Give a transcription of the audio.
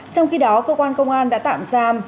trong khi đó cơ quan công an đã tạm giam